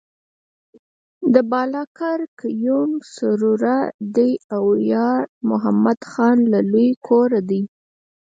د بالاکرز قیوم سرزوره دی او یارمحمد خان له لوی کوره دی.